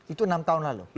itu enam tahun lalu